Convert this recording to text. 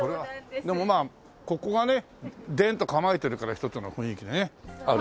でもまあここがねデーンと構えてるから一つの雰囲気がねある。